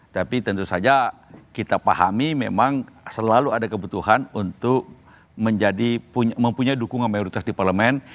tapi tentu saja kita pahami memang selalu ada kebutuhan untuk menjadi mempunyai dukungan mayoritas di parlemen